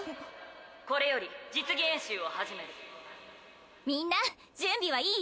これより実技演習を始めるみんな準備はいい？